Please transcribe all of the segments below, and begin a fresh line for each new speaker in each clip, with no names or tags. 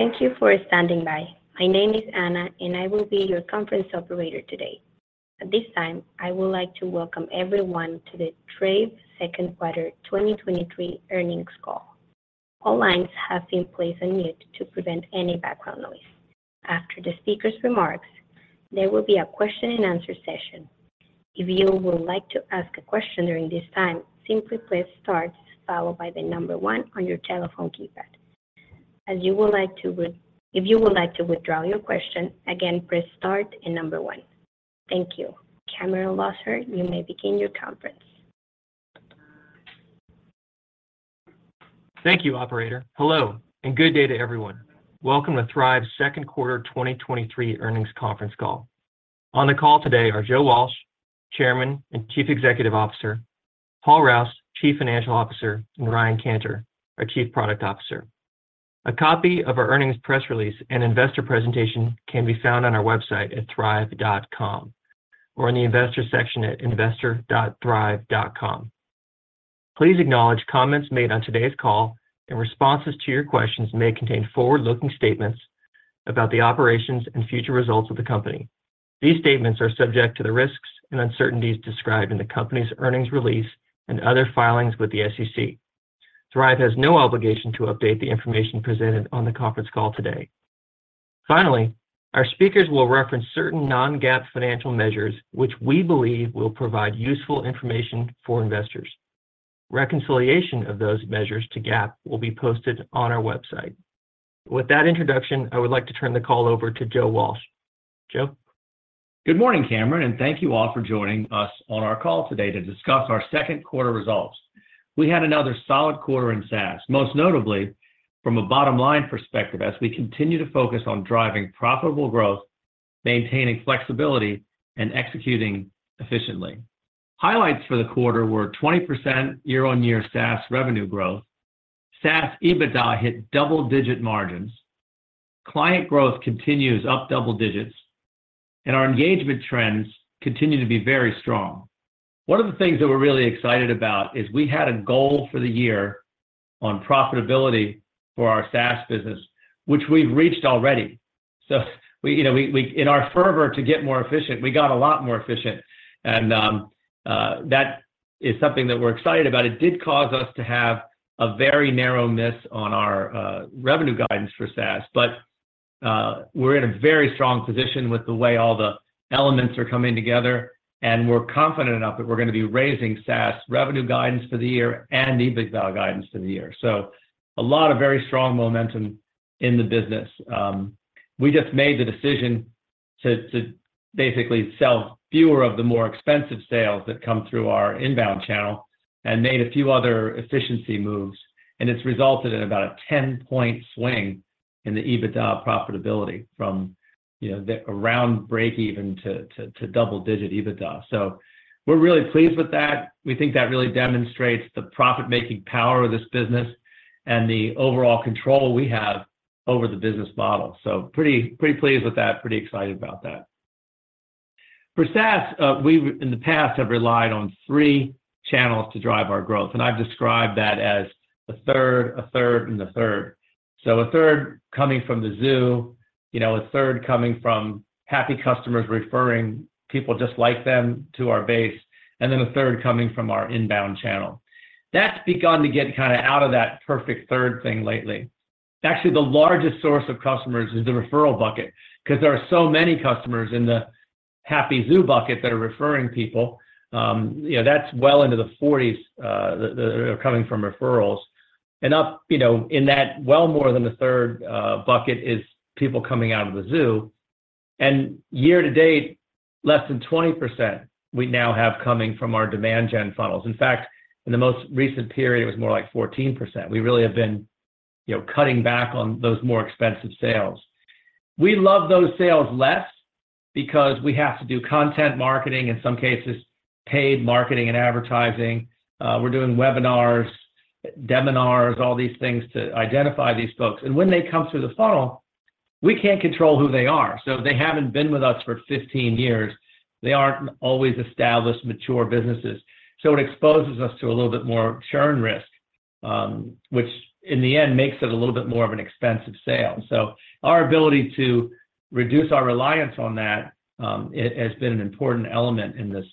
Thank you for standing by. My name is Anna, and I will be your conference operator today. At this time, I would like to welcome everyone to the Thryv Second Quarter 2023 Earnings Call. All lines have been placed on mute to prevent any background noise. After the speaker's remarks, there will be a question and answer session. If you would like to ask a question during this time, simply press star, followed by number one on your telephone keypad. As you would like to if you would like to withdraw your question, again, press star and number one. Thank you. Cameron Loeser, you may begin your conference.
Thank you, operator. Hello, and good day to everyone. Welcome to Thryv's second quarter 2023 earnings conference call. On the call today are Joe Walsh, Chairman and Chief Executive Officer, Paul Rouse, Chief Financial Officer, and Ryan Cantor, our Chief Product Officer. A copy of our earnings press release and investor presentation can be found on our website at thryv.com, or in the investor section at investor.thryv.com. Please acknowledge comments made on today's call and responses to your questions may contain forward-looking statements about the operations and future results of the company. These statements are subject to the risks and uncertainties described in the company's earnings release and other filings with the SEC. Thryv has no obligation to update the information presented on the conference call today. Finally, our speakers will reference certain non-GAAP financial measures, which we believe will provide useful information for investors. Reconciliation of those measures to GAAP will be posted on our website. With that introduction, I would like to turn the call over to Joe Walsh. Joe?
Good morning, Cameron and thank you all for joining us on our call today to discuss our second quarter results. We had another solid quarter in SaaS, most notably from a bottom-line perspective, as we continue to focus on driving profitable growth, maintaining flexibility, and executing efficiently. Highlights for the quarter were 20% year-on-year SaaS revenue growth, SaaS EBITDA hit double-digit margins, client growth continues up double digits, and our engagement trends continue to be very strong. One of the things that we're really excited about is we had a goal for the year on profitability for our SaaS business, which we've reached already. We, you know, we in our fervor to get more efficient, we got a lot more efficient, and that is something that we're excited about. It did cause us to have a very narrow miss on our revenue guidance for SaaS, but we're in a very strong position with the way all the elements are coming together, and we're confident enough that we're going to be raising SaaS revenue guidance for the year and EBITDA guidance for the year. A lot of very strong momentum in the business. We just made the decision to basically sell fewer of the more expensive sales that come through our inbound channel and made a few other efficiency moves, and it's resulted in about a 10-point swing in the EBITDA profitability from, you know, the around breakeven to double-digit EBITDA. We're really pleased with that. We think that really demonstrates the profit-making power of this business and the overall control we have over the business model. Pretty, pretty pleased with that. Pretty excited about that. For SaaS, we've, in the past, have relied on 3 channels to drive our growth, and I've described that as a third, a third, and a third. A third coming from the zoo, you know, a third coming from happy customers referring people just like them to our base, and then a third coming from our inbound channel. That's begun to get kinda out of that perfect third thing lately. Actually, the largest source of customers is the referral bucket, 'cause there are so many customers in the happy zoo bucket that are referring people. You know, that's well into the 40s, that are coming from referrals. Up, you know, in that, well more than a third, bucket is people coming out of the zoo. Year to date, less than 20% we now have coming from our demand generation funnels. In fact, in the most recent period, it was more like 14%. We really have been, you know, cutting back on those more expensive sales. We love those sales less because we have to do content marketing, in some cases, paid marketing and advertising. We're doing webinars, seminars, all these things to identify these folks. When they come through the funnel, we can't control who they are. They haven't been with us for 15 years. They aren't always established, mature businesses. It exposes us to a little bit more churn risk, which in the end, makes it a little bit more of an expensive sale. Our ability to reduce our reliance on that, it has been an important element in this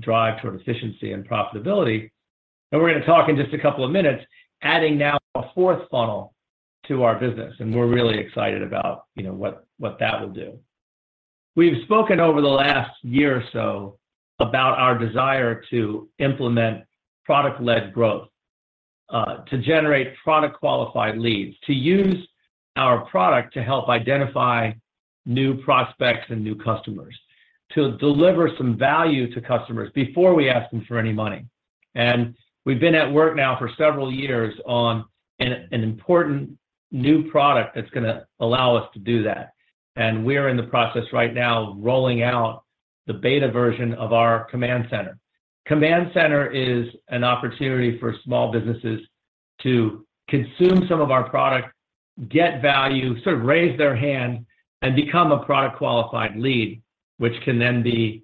drive toward efficiency and profitability. We're going to talk in just a couple of minutes, adding now a fourth funnel to our business, and we're really excited about, you know, what, what that will do. We've spoken over the last year or so about our desire to implement product-led growth, to generate product-qualified leads, to use our product to help identify new prospects and new customers, to deliver some value to customers before we ask them for any money. We've been at work now for several years on an important new product that's going to allow us to do that. We're in the process right now of rolling out the beta version of our Command Center. Command Center is an opportunity for small businesses to consume some of our product, get value, sort of raise their hand, and become a product-qualified lead, which can then be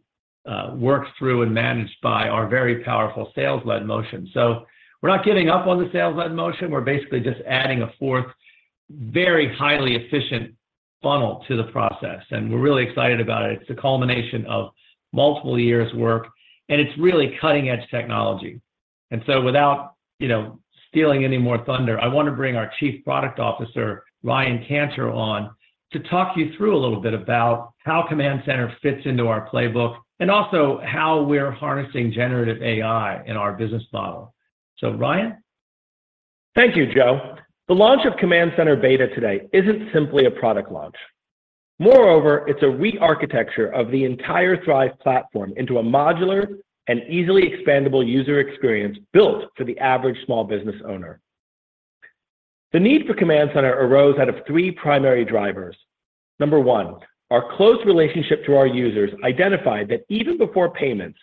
worked through and managed by our very powerful sales-led motion. We're not giving up on the sales-led motion, we're basically just adding a fourth, very highly efficient funnel to the process, and we're really excited about it. It's a culmination of multiple years' work, and it's really cutting-edge technology. Without, you know, stealing any more thunder, I want to bring our Chief Product Officer, Ryan Cantor, on to talk you through a little bit about how Command Center fits into our playbook, and also how we're harnessing generative AI in our business model. Ryan?
Thank you, Joe. The launch of Command Center Beta today isn't simply a product launch. Moreover, it's a rearchitecture of the entire Thryv platform into a modular and easily expandable user experience built for the average small business owner. The need for Command Center arose out of three primary drivers. Number one, our close relationship to our users identified that even before payments,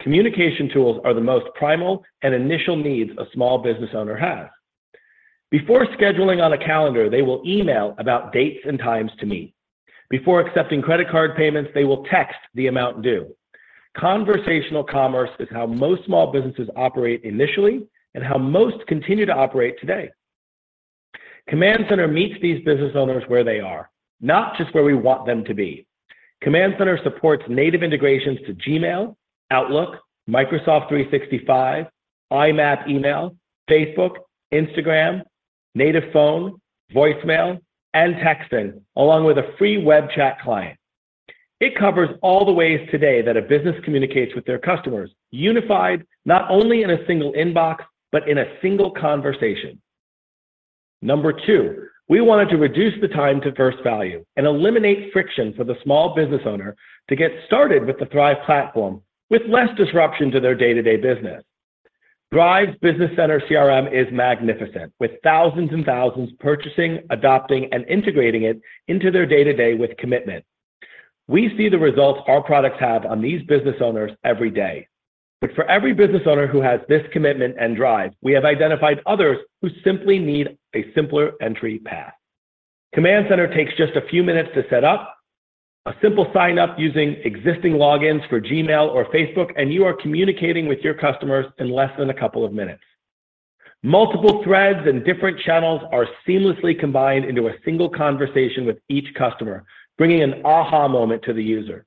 communication tools are the most primal and initial needs a small business owner has. Before scheduling on a calendar, they will email about dates and times to meet. Before accepting credit card payments, they will text the amount due. Conversational commerce is how most small businesses operate initially, and how most continue to operate today. Command Center meets these business owners where they are, not just where we want them to be. Command Center supports native integrations to Gmail, Outlook, Microsoft 365, IMAP email, Facebook, Instagram, native phone, voicemail, and texting, along with a free web chat client. It covers all the ways today that a business communicates with their customers, unified not only in a single inbox, but in a single conversation. Number 2, we wanted to reduce the time to first value and eliminate friction for the small business owner to get started with the Thryv platform with less disruption to their day-to-day business. Thryv's Business Center CRM is magnificent, with thousands and thousands purchasing, adopting, and integrating it into their day-to-day with commitment. We see the results our products have on these business owners every day. For every business owner who has this commitment and drive, we have identified others who simply need a simpler entry path. Command Center takes just a few minutes to set up, a simple sign-up using existing logins for Gmail or Facebook, you are communicating with your customers in less than a couple of minutes. Multiple threads and different channels are seamlessly combined into a single conversation with each customer, bringing an aha! moment to the user.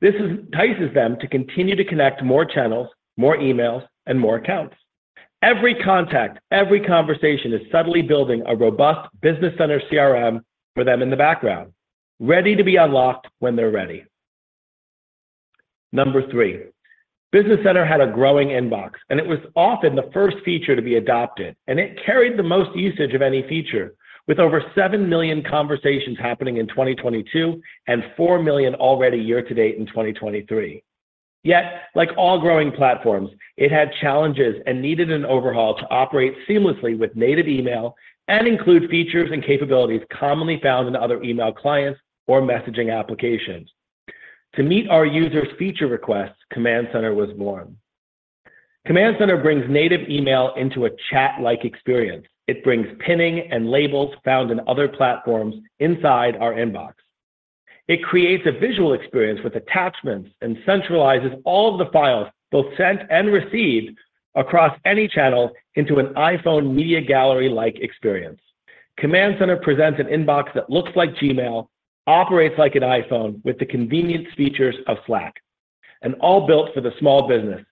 This entices them to continue to connect more channels, more emails, and more accounts. Every contact, every conversation, is subtly building a robust Business Center CRM for them in the background, ready to be unlocked when they're ready. Number 3, Business Center had a growing inbox, it was often the first feature to be adopted, it carried the most usage of any feature, with over 7 million conversations happening in 2022 and 4 million already year to date in 2023. Like all growing platforms, it had challenges and needed an overhaul to operate seamlessly with native email and include features and capabilities commonly found in other email clients or messaging applications. To meet our users' feature requests, Command Center was born. Command Center brings native email into a chat-like experience. It brings pinning and labels found in other platforms inside our inbox. It creates a visual experience with attachments and centralizes all of the files, both sent and received, across any channel into an iPhone media gallery-like experience. Command Center presents an inbox that looks like Gmail, operates like an iPhone, with the convenience features of Slack, and all built for the small business,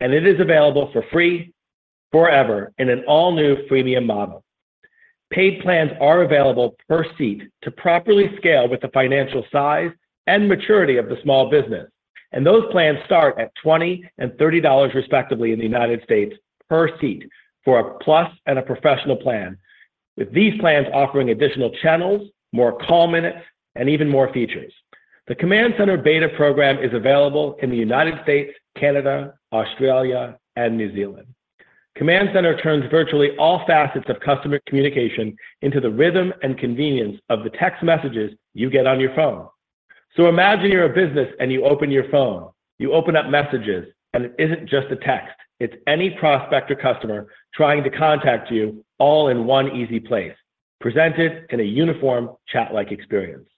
and it is available for free forever in an all-new freemium model. Paid plans are available per seat to properly scale with the financial size and maturity of the small business, and those plans start at $20 and $30, respectively, in the United States per seat for a Plus and a Professional plan, with these plans offering additional channels, more call minutes, and even more features. The Command Center beta program is available in the United States, Canada, Australia, and New Zealand. Command Center turns virtually all facets of customer communication into the rhythm and convenience of the text messages you get on your phone. Imagine you're a business and you open your phone. You open up messages, and it isn't just a text. It's any prospect or customer trying to contact you all in one easy place, presented in a uniform, chat-like experience.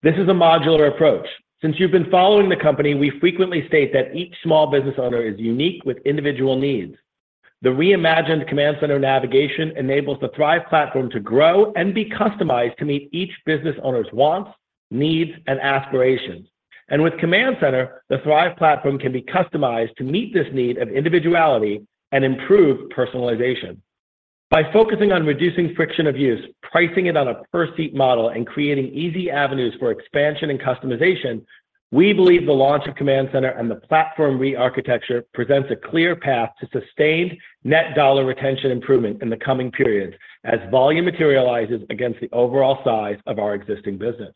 This is a modular approach. Since you've been following the company, we frequently state that each small business owner is unique with individual needs. The reimagined Command Center navigation enables the Thryv platform to grow and be customized to meet each business owner's wants, needs, and aspirations. With Command Center, the Thryv platform can be customized to meet this need of individuality and improve personalization. By focusing on reducing friction of use, pricing it on a per-seat model, and creating easy avenues for expansion and customization, we believe the launch of Command Center and the platform rearchitecture presents a clear path to sustained net dollar retention improvement in the coming periods as volume materializes against the overall size of our existing business.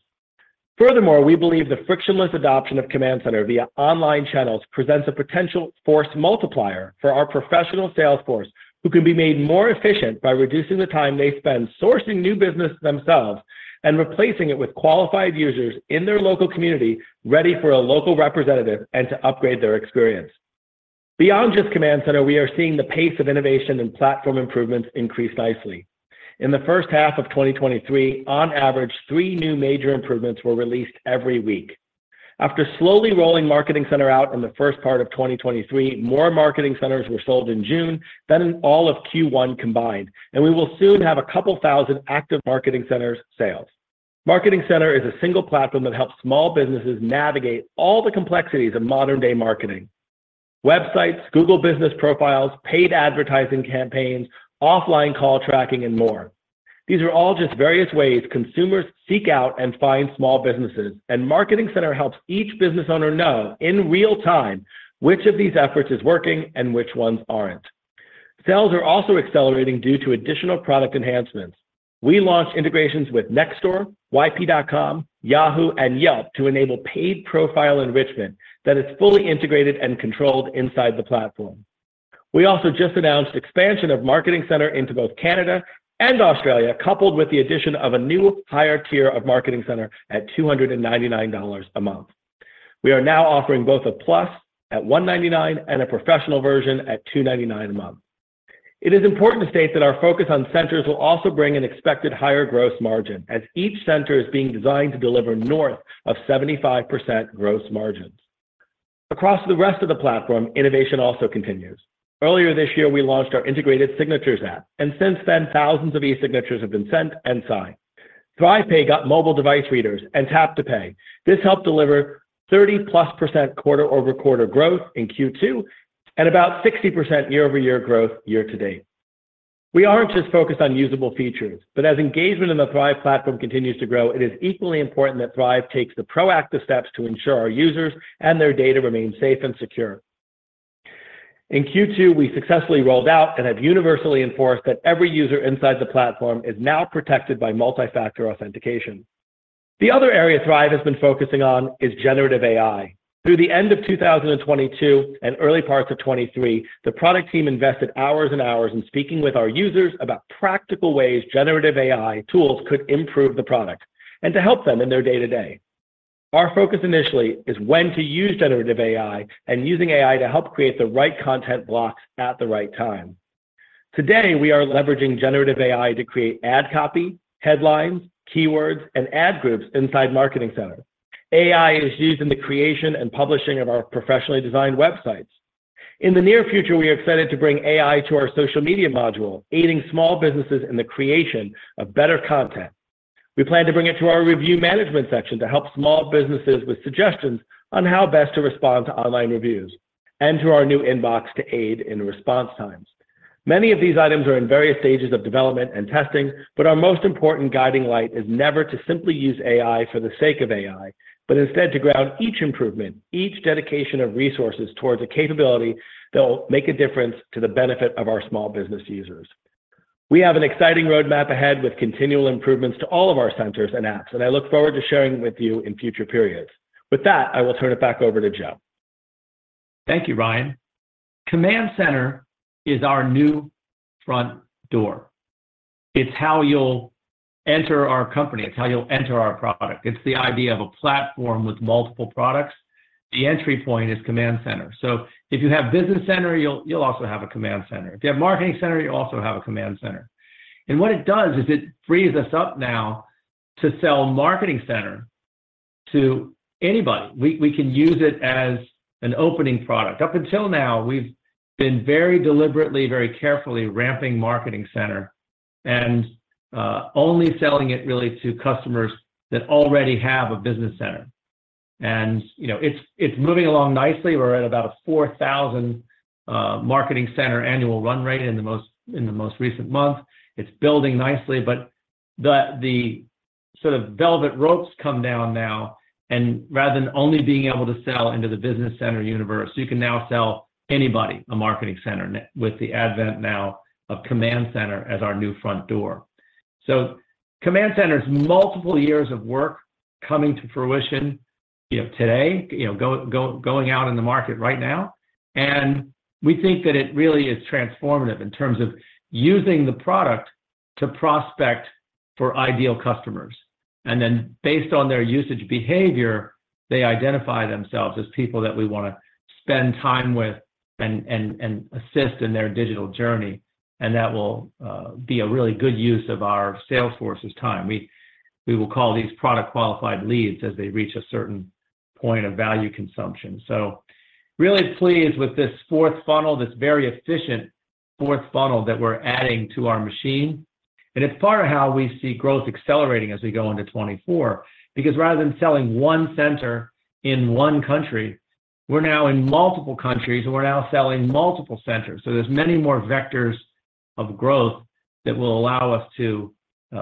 Furthermore, we believe the frictionless adoption of Command Center via online channels presents a potential force multiplier for our professional sales force, who can be made more efficient by reducing the time they spend sourcing new business themselves and replacing it with qualified users in their local community, ready for a local representative and to upgrade their experience.... Beyond just Command Center, we are seeing the pace of innovation and platform improvements increase nicely. In the first half of 2023, on average, 3 new major improvements were released every week. After slowly rolling Marketing Center out in the first part of 2023, more Marketing Centers were sold in June than in all of Q1 combined, and we will soon have a couple 2,000 active Marketing Centers sales. Marketing Center is a single platform that helps small businesses navigate all the complexities of modern-day marketing: websites, Google Business Profiles, paid advertising campaigns, offline call tracking, and more. These are all just various ways consumers seek out and find small businesses, and Marketing Center helps each business owner know in real time, which of these efforts is working and which ones aren't. Sales are also accelerating due to additional product enhancements. We launched integrations with Nextdoor, YP.com, Yahoo, and Yelp to enable paid profile enrichment that is fully integrated and controlled inside the platform. We also just announced expansion of Marketing Center into both Canada and Australia, coupled with the addition of a new higher tier of Marketing Center at $299 a month. We are now offering both a Plus at $199 and a Professional version at $299 a month. It is important to state that our focus on centers will also bring an expected higher gross margin, as each center is being designed to deliver north of 75% gross margins. Across the rest of the platform, innovation also continues. Earlier this year, we launched our integrated Signatures app. Since then, thousands of e-signatures have been sent and signed. ThryvPay got mobile device readers and Tap-to-Pay. This helped deliver 30%+ quarter-over-quarter growth in Q2 and about 60% year-over-year growth year to date. We aren't just focused on usable features. As engagement in the Thryv platform continues to grow, it is equally important that Thryv takes the proactive steps to ensure our users and their data remain safe and secure. In Q2, we successfully rolled out and have universally enforced that every user inside the platform is now protected by multi-factor authentication. The other area Thryv has been focusing on is generative AI. Through the end of 2022 and early parts of 2023, the product team invested hours and hours in speaking with our users about practical ways generative AI tools could improve the product and to help them in their day-to-day. Our focus initially is when to use generative AI, and using AI to help create the right content blocks at the right time. Today, we are leveraging generative AI to create ad copy, headlines, keywords, and ad groups inside Marketing Center. AI is used in the creation and publishing of our professionally designed websites. In the near future, we are excited to bring AI to our social media module, aiding small businesses in the creation of better content. We plan to bring it to our review management section to help small businesses with suggestions on how best to respond to online reviews, and to our new inbox to aid in response times. Many of these items are in various stages of development and testing, but our most important guiding light is never to simply use AI for the sake of AI, but instead to ground each improvement, each dedication of resources towards a capability that will make a difference to the benefit of our small business users. We have an exciting roadmap ahead with continual improvements to all of our centers and apps, and I look forward to sharing with you in future periods. With that, I will turn it back over to Joe.
Thank you, Ryan. Command Center is our new front door. It's how you'll enter our company. It's how you'll enter our product. It's the idea of a platform with multiple products. The entry point is Command Center. If you have Business Center, you'll also have a Command Center. If you have Marketing Center, you also have a Command Center. What it does is it frees us up now to sell Marketing Center to anybody. We, we can use it as an opening product. Up until now, we've been very deliberately, very carefully ramping Marketing Center and only selling it really to customers that already have a Business Center. You know, it's, it's moving along nicely. We're at about a $4,000 Marketing Center annual run rate in the most, in the most recent month. It's building nicely, but the sort of velvet ropes come down now, and rather than only being able to sell into the Business Center universe, you can now sell anybody a Marketing Center with the advent now of Command Center as our new front door. Command Center is multiple years of work coming to fruition, you know, today, you know, going out in the market right now, and we think that it really is transformative in terms of using the product to prospect for ideal customers. Then, based on their usage behavior, they identify themselves as people that we wanna spend time with and assist in their digital journey, and that will be a really good use of our sales force's time. We will call these product qualified leads as they reach a certain point of value consumption. Really pleased with this fourth funnel, this very efficient fourth funnel that we're adding to our machine. It's part of how we see growth accelerating as we go into 2024. Because rather than selling 1 center in 1 country, we're now in multiple countries, and we're now selling multiple centers. There's many more vectors of growth that will allow us to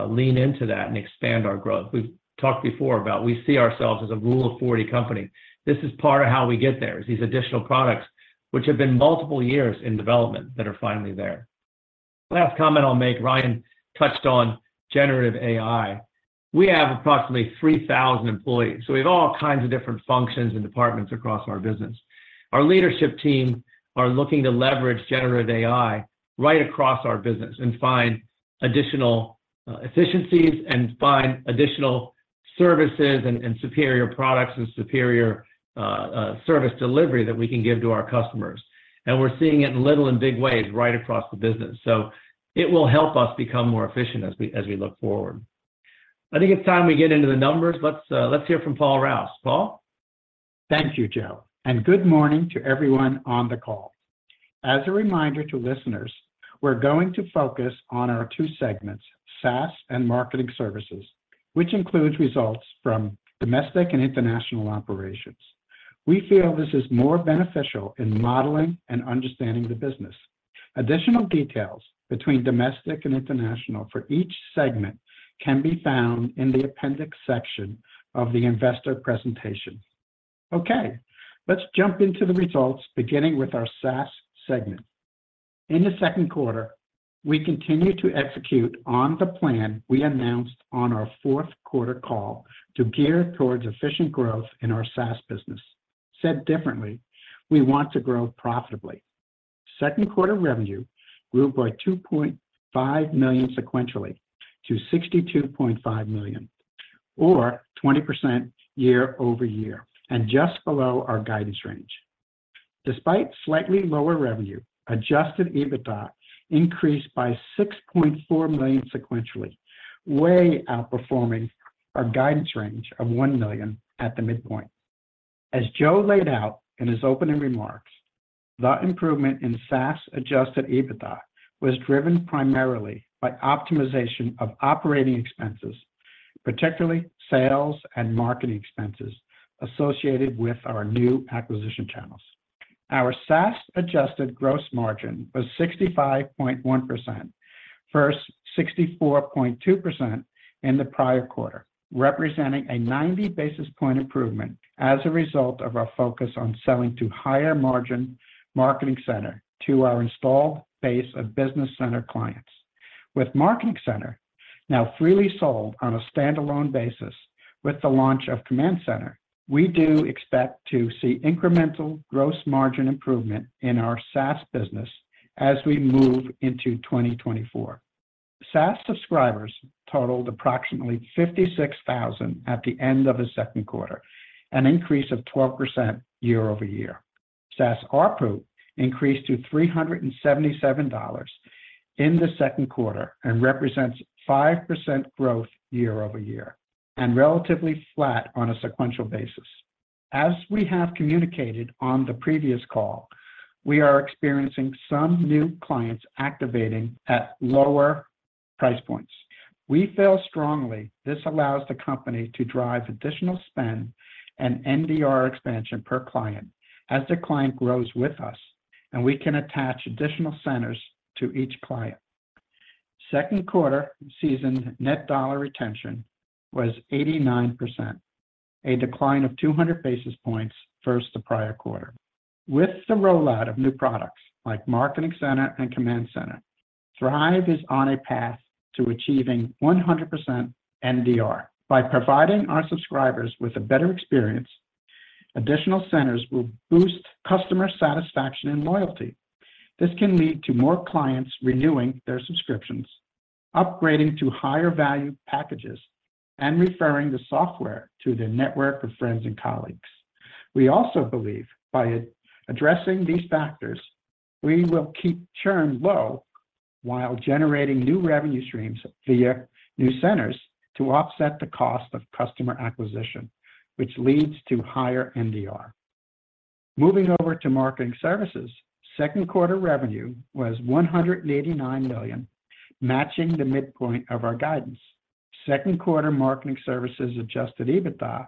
lean into that and expand our growth. We've talked before about we see ourselves as a Rule of Forty company. This is part of how we get there, is these additional products, which have been multiple years in development, that are finally there. Last comment I'll make, Ryan touched on generative AI. We have approximately 3,000 employees, so we have all kinds of different functions and departments across our business. Our leadership team are looking to leverage generative AI right across our business and find additional efficiencies and find additional services and, and superior products and superior service delivery that we can give to our customers. We're seeing it in little and big ways right across the business. It will help us become more efficient as we, as we look forward. I think it's time we get into the numbers. Let's let's hear from Paul Rouse. Paul?
Thank you, Joe. Good morning to everyone on the call. As a reminder to listeners, we're going to focus on our two segments, SaaS and Marketing Services, which includes results from domestic and international operations. We feel this is more beneficial in modeling and understanding the business. Additional details between domestic and international for each segment can be found in the appendix section of the investor presentation. Okay, let's jump into the results, beginning with our SaaS segment. In the second quarter, we continued to execute on the plan we announced on our fourth quarter call to gear towards efficient growth in our SaaS business. Said differently, we want to grow profitably. Second quarter revenue grew by $2.5 million sequentially to $62.5 million, or 20% year-over-year, just below our guidance range. Despite slightly lower revenue, adjusted EBITDA increased by $6.4 million sequentially, way outperforming our guidance range of $1 million at the midpoint. As Joe laid out in his opening remarks, the improvement in SaaS adjusted EBITDA was driven primarily by optimization of operating expenses, particularly sales and marketing expenses associated with our new acquisition channels. Our SaaS adjusted gross margin was 65.1%, versus 64.2% in the prior quarter, representing a 90 basis point improvement as a result of our focus on selling to higher margin Marketing Center to our installed base of Business Center clients. With Marketing Center now freely sold on a standalone basis with the launch of Command Center, we do expect to see incremental gross margin improvement in our SaaS business as we move into 2024. SaaS subscribers totaled approximately 56,000 at the end of the second quarter, an increase of 12% year-over-year. SaaS ARPU increased to $377 in the second quarter and represents 5% growth year-over-year, relatively flat on a sequential basis. As we have communicated on the previous call, we are experiencing some new clients activating at lower price points. We feel strongly this allows the company to drive additional spend and NDR expansion per client as the client grows with us, and we can attach additional centers to each client. Second quarter Seasoned net dollar retention was 89%, a decline of 200 basis points versus the prior quarter. With the rollout of new products like Marketing Center and Command Center, Thryv is on a path to achieving 100% NDR. By providing our subscribers with a better experience, additional centers will boost customer satisfaction and loyalty. This can lead to more clients renewing their subscriptions, upgrading to higher value packages, and referring the software to their network of friends and colleagues. We also believe by addressing these factors, we will keep churn low while generating new revenue streams via new centers to offset the cost of customer acquisition, which leads to higher NDR. Moving over to Marketing Services, second quarter revenue was $189 million, matching the midpoint of our guidance. Second quarter Marketing Services adjusted EBITDA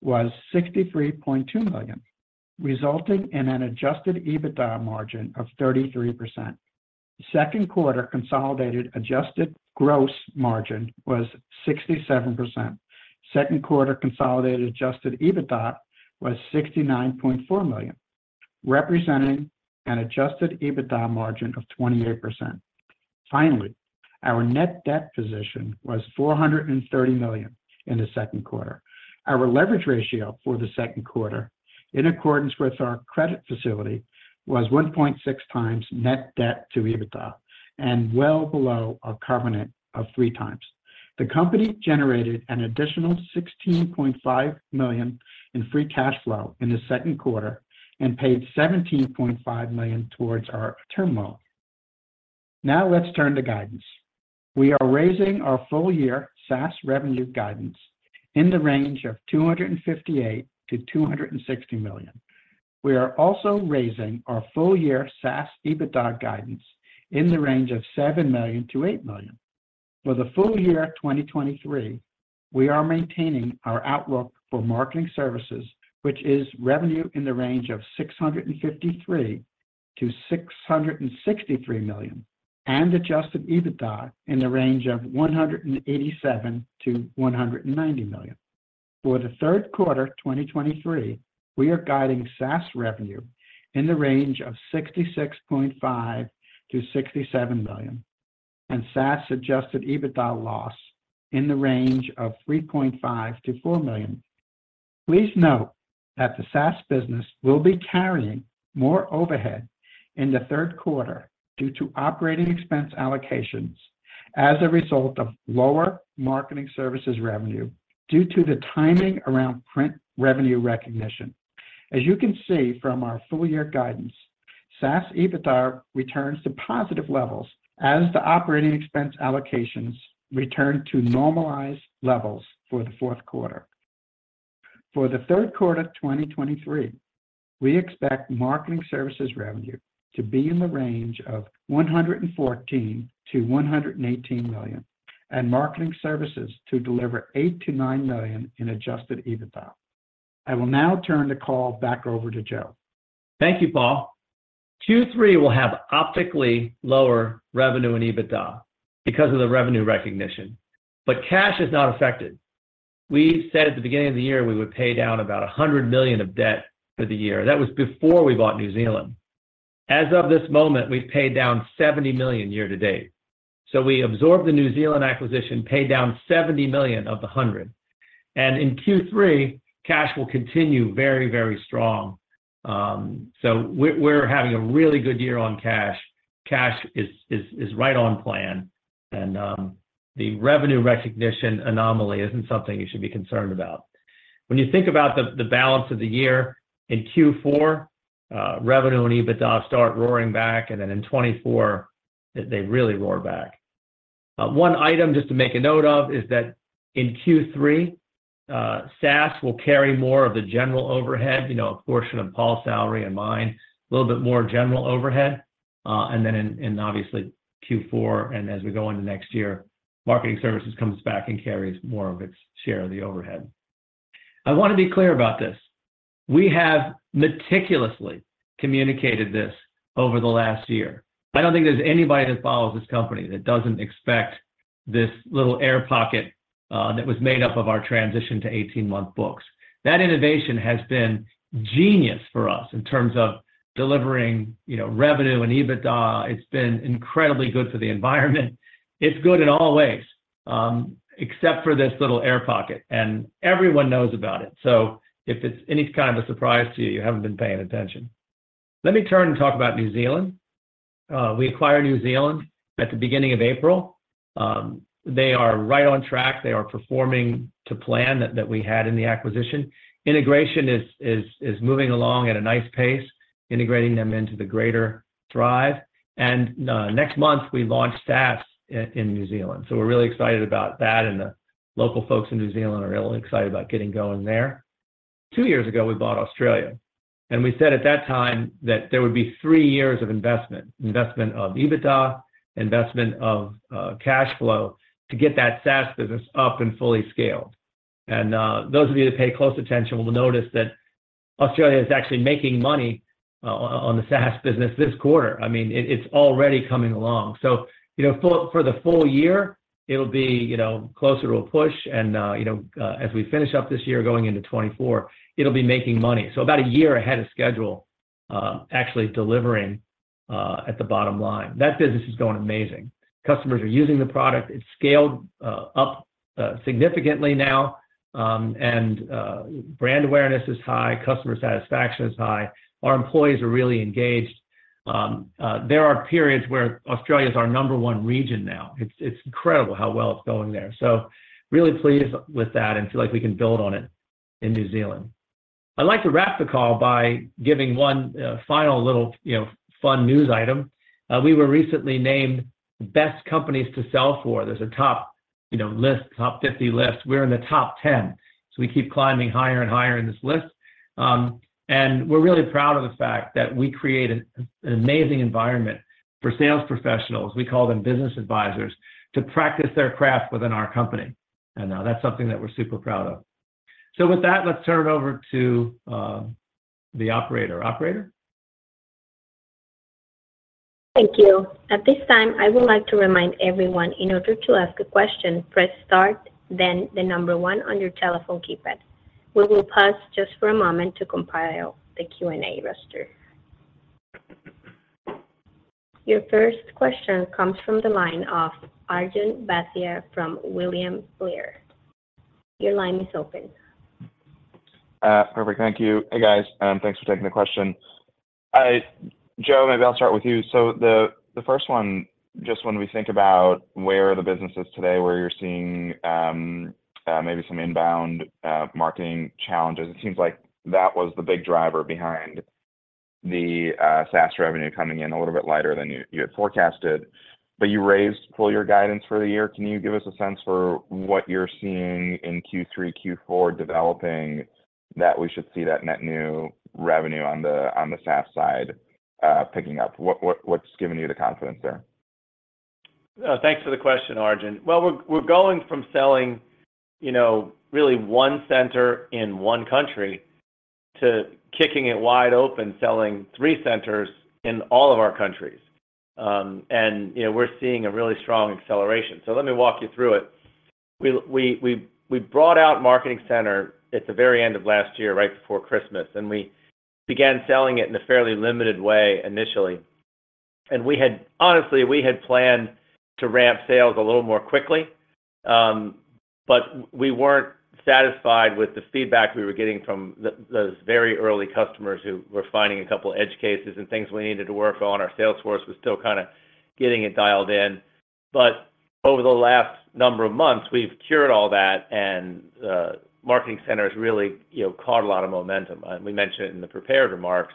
was $63.2 million, resulting in an adjusted EBITDA margin of 33%. Second quarter consolidated adjusted gross margin was 67%. Second quarter consolidated adjusted EBITDA was $69.4 million, representing an adjusted EBITDA margin of 28%. Finally, our net debt position was $430 million in the second quarter. Our leverage ratio for the second quarter, in accordance with our credit facility, was 1.6 times net debt to EBITDA and well below our covenant of 3 times. The company generated an additional $16.5 million in free cash flow in the second quarter and paid $17.5 million towards our term loan. Now, let's turn to guidance. We are raising our full-year SaaS revenue guidance in the range of $258 million-$260 million. We are also raising our full-year SaaS EBITDA guidance in the range of $7 million-$8 million. For the full year 2023, we are maintaining our outlook for Marketing Services, which is revenue in the range of $653 million-$663 million, and adjusted EBITDA in the range of $187 million-$190 million. For the third quarter 2023, we are guiding SaaS revenue in the range of $66.5 million-$67 million, and SaaS adjusted EBITDA loss in the range of $3.5 million-$4 million. Please note that the SaaS business will be carrying more overhead in the third quarter due to operating expense allocations as a result of lower Marketing Services revenue, due to the timing around print revenue recognition. As you can see from our full year guidance, SaaS EBITDA returns to positive levels as the operating expense allocations return to normalized levels for the fourth quarter. For the 3rd quarter of 2023, we expect Marketing Services revenue to be in the range of $114 million-$118 million, and Marketing Services to deliver $8 million-$9 million in adjusted EBITDA. I will now turn the call back over to Joe.
Thank you, Paul. Q3 will have optically lower revenue and EBITDA because of the revenue recognition. Cash is not affected. We said at the beginning of the year we would pay down about $100 million of debt for the year. That was before we bought New Zealand. As of this moment, we've paid down $70 million year to date. We absorbed the New Zealand acquisition, paid down $70 million of the $100 million. In Q3, cash will continue very, very strong. We're, we're having a really good year on cash. Cash is, is, is right on plan, and the revenue recognition anomaly isn't something you should be concerned about. When you think about the, the balance of the year, in Q4, revenue and EBITDA start roaring back. Then in 2024, they really roar back. One item, just to make a note of, is that in Q3, SaaS will carry more of the general overhead, you know, a portion of Paul's salary and mine, a little bit more general overhead. Then in, in obviously Q4 and as we go into next year, Marketing Services comes back and carries more of its share of the overhead. I wanna be clear about this. We have meticulously communicated this over the last year. I don't think there's anybody that follows this company that doesn't expect this little air pocket, that was made up of our transition to 18-month books. That innovation has been genius for us in terms of delivering, you know, revenue and EBITDA. It's been incredibly good for the environment. It's good in all ways, except for this little air pocket, and everyone knows about it. If it's any kind of a surprise to you, you haven't been paying attention. Let me turn and talk about New Zealand. We acquired New Zealand at the beginning of April. They are right on track. They are performing to plan that, that we had in the acquisition. Integration is, is, is moving along at a nice pace, integrating them into the greater Thryv. Next month, we launch SaaS in, in New Zealand. We're really excited about that, and the local folks in New Zealand are really excited about getting going there. 2 years ago, we bought Australia, and we said at that time that there would be 3 years of investment: investment of EBITDA, investment of cash flow, to get that SaaS business up and fully scaled. Those of you that pay close attention will notice that Australia is actually making money on, on the SaaS business this quarter. I mean, it, it's already coming along. You know, for, for the full year, it'll be, you know, closer to a push, and, you know, as we finish up this year going into 2024, it'll be making money. About a year ahead of schedule, actually delivering at the bottom line. That business is going amazing. Customers are using the product. It's scaled up significantly now, brand awareness is high, customer satisfaction is high. Our employees are really engaged. There are periods where Australia is our number 1 region now. It's, it's incredible how well it's going there. Really pleased with that and feel like we can build on it in New Zealand. I'd like to wrap the call by giving 1 final little, you know, fun news item. We were recently named Best Companies to Sell For. There's a top, you know, list, top 50 list. We're in the top 10, so we keep climbing higher and higher in this list. We're really proud of the fact that we create an amazing environment for sales professionals, we call them business advisors, to practice their craft within our company. That's something that we're super proud of. With that, let's turn it over to the operator. Operator?
Thank you. At this time, I would like to remind everyone in order to ask a question, press star, then the number one on your telephone keypad. We will pause just for a moment to compile the Q&A roster. Your first question comes from the line of Arjun Bhatia from William Blair. Your line is open.
ou. Hey, guys, thanks for taking the question. Joe, maybe I'll start with you. So the first one, just when we think about where the business is today, where you're seeing maybe some inbound marketing challenges, it seems like that was the big driver behind the SaaS revenue coming in a little bit lighter than you had forecasted, but you raised full year guidance for the year. Can you give us a sense for what you're seeing in Q3, Q4, developing, that we should see that net new revenue on the SaaS side picking up? What's giving you the confidence there?
Thanks for the question, Arjun. Well, we're going from selling, you know, really one center in one country to kicking it wide open, selling three centers in all of our countries. And, you know, we're seeing a really strong acceleration. Let me walk you through it. We brought out Marketing Center at the very end of last year, right before Christmas, and we began selling it in a fairly limited way initially. We had, honestly, we had planned to ramp sales a little more quickly, but we weren't satisfied with the feedback we were getting from those very early customers who were finding a couple edge cases and things we needed to work on. Our sales force was still kind of getting it dialed in. Over the last number of months, we've cured all that, and Marketing Center has really, you know, caught a lot of momentum. We mentioned it in the prepared remarks,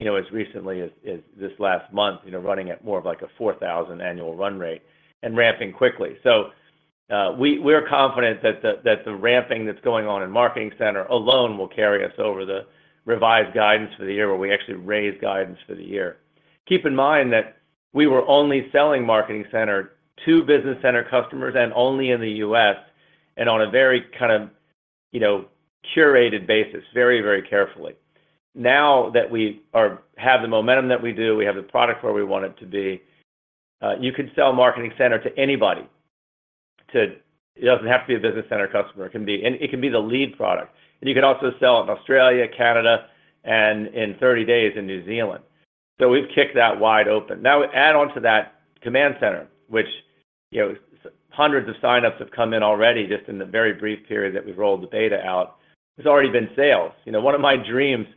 you know, as recently as, as this last month, you know, running at more of like a $4,000 annual run rate and ramping quickly. We're confident that the, that the ramping that's going on in Marketing Center alone will carry us over the revised guidance for the year, where we actually raised guidance for the year. Keep in mind that we were only selling Marketing Center to Business Center customers and only in the U.S., and on a very kind of, you know, curated basis, very, very carefully. Now that we have the momentum that we do, we have the product where we want it to be, you could sell Marketing Center to anybody, it doesn't have to be a Business Center customer. It can be... It can be the lead product. You can also sell it in Australia, Canada, and in 30 days, in New Zealand. We've kicked that wide open. Now, add onto that Command Center, which, you know, hundreds of signups have come in already, just in the very brief period that we've rolled the beta out. There's already been sales. You know, one of my dreams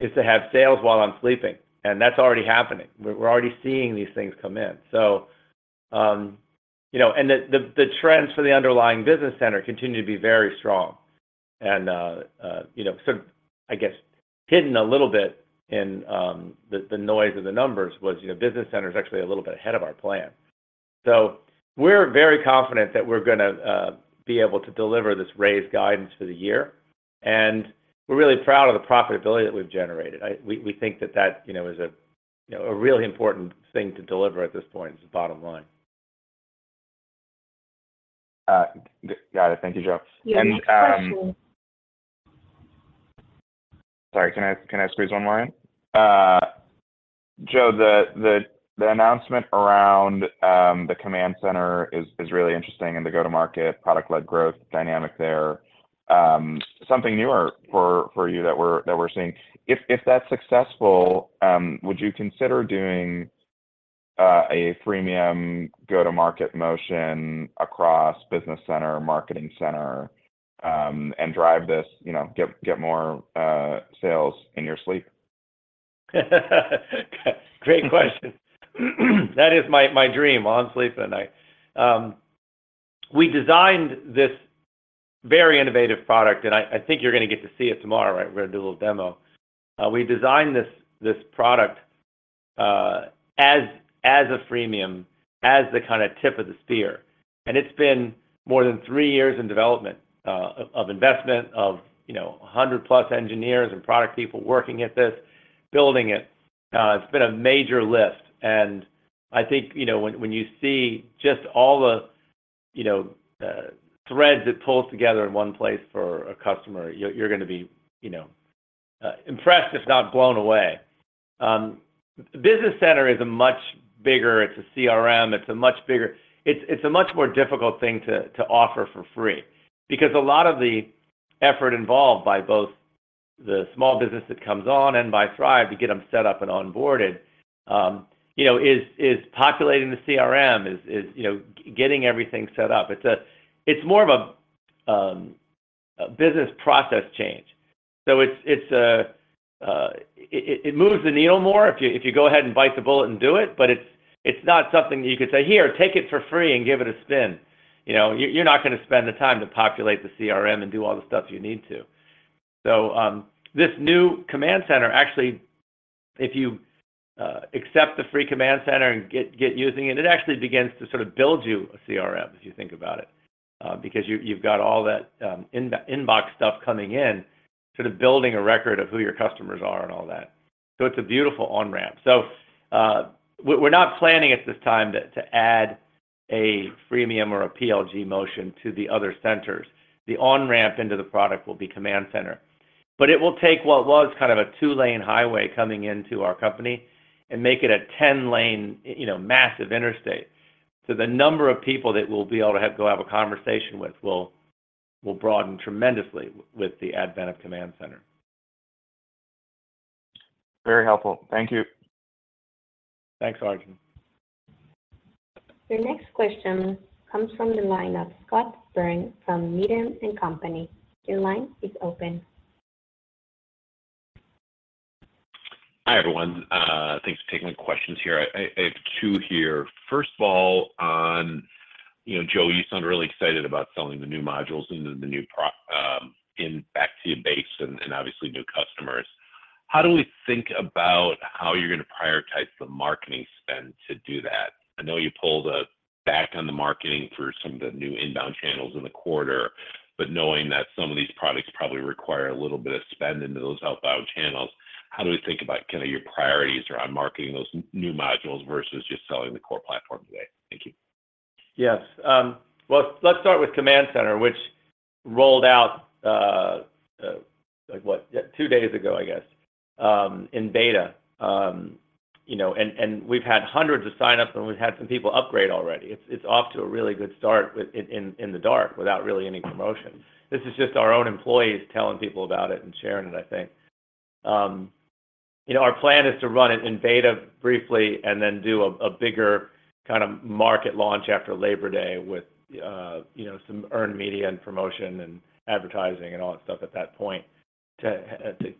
is to have sales while I'm sleeping, and that's already happening. We're already seeing these things come in. You know, and the trends for the underlying Business Center continue to be very strong. You know, sort of, I guess, hidden a little bit in the noise of the numbers was, you know, Business Center is actually a little bit ahead of our plan. We're very confident that we're gonna be able to deliver this raised guidance for the year, and we're really proud of the profitability that we've generated. We think that that, you know, is a, you know, a really important thing to deliver at this point, is the bottom line.
Got it. Thank you, Joe.
Your next question-
Sorry, can I squeeze one more in? Joe, the announcement around the Command Center is, is really interesting, and the go-to-market, product-led growth dynamic there, something newer for, for you that we're seeing. If, if that's successful, would you consider doing a freemium go-to-market motion across Business Center, Marketing Center, and drive this, you know, get more sales in your sleep?
Great question. That is my dream, while I'm sleeping at night. We designed this very innovative product, I think you're gonna get to see it tomorrow, right? We're gonna do a little demo. We designed this, this product, as, as a freemium, as the kinda tip of the spear, it's been more than 3 years in development, of, of investment, of, you know, 100+ engineers and product people working at this, building it. It's been a major lift, I think, you know, when, when you see just all the, you know, threads it pulls together in one place for a customer, you're, you're gonna be, you know, impressed, if not blown away. Business Center is a much bigger... It's a CRM. It's, it's a much more difficult thing to, to offer for free. A lot of the effort involved by both the small business that comes on and by Thryv to get them set up and onboarded, you know, is, is populating the CRM, is, is, you know, getting everything set up. It's a, it's more of a business process change. It moves the needle more if you go ahead and bite the bullet and do it, but it's, it's not something that you could say, "Here, take it for free and give it a spin." You know, you're not gonna spend the time to populate the CRM and do all the stuff you need to. This new Command Center, actually, if you accept the free Command Center and get, get using it, it actually begins to sort of build you a CRM, if you think about it. Because you, you've got all that inbox stuff coming in, sort of building a record of who your customers are and all that. It's a beautiful on-ramp. We're, we're not planning at this time to, to add a freemium or a PLG motion to the other centers. The on-ramp into the product will be Command Center. But it will take what was kind of a 2-lane highway coming into our company and make it a 10-lane, you know, massive interstate. The number of people that we'll be able to have, go have a conversation with will, will broaden tremendously with the advent of Command Center.
Very helpful. Thank you.
Thanks, Arjun.
Your next question comes from the line of Scott Berg from Needham & Company. Your line is open.
Hi, everyone. thanks for taking the questions here. I have two here. First of all, on... You know, Joe, you sound really excited about selling the new modules and then the new pro- in back to your base and, and obviously, new customers. How do we think about how you're gonna prioritize the marketing spend to do that? I know you pulled back on the marketing for some of the new inbound channels in the quarter, but knowing that some of these products probably require a little bit of spend into those outbound channels, how do we think about kinda your priorities around marketing those new modules versus just selling the core platform today? Thank you.
Yes. Well, let's start with Command Center, which rolled out, like what? Yeah, 2 days ago, I guess, in beta. You know, we've had hundreds of signups, and we've had some people upgrade already. It's off to a really good start with in the dark, without really any promotion. This is just our own employees telling people about it and sharing it, I think. You know, our plan is to run it in beta briefly, then do a bigger kind of market launch after Labor Day with, you know, some earned media and promotion, and advertising, and all that stuff at that point to